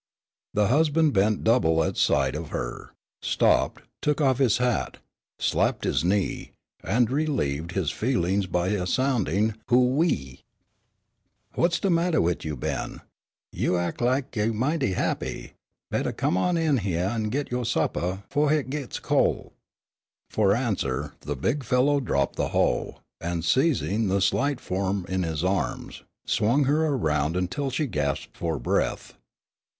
The husband bent double at sight of her, stopped, took off his hat, slapped his knee, and relieved his feelings by a sounding "Who ee!" "What's de mattah wid you, Ben? You ac' lak you mighty happy. Bettah come on in hyeah an' git yo' suppah fo' hit gits col'." For answer, the big fellow dropped the hoe and, seizing the slight form in his arms, swung her around until she gasped for breath.